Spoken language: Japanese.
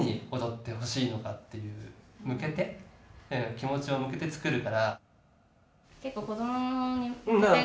気持ちを向けて作るから。